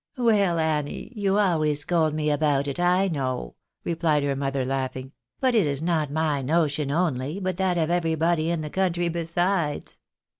" Well, Annie, you always scold me about it, I know," replied her mother, laughing ;" but it is not my notion only, but that of everybody in the country besides."